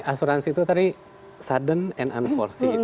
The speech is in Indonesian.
asuransi itu tadi sudden and unforcy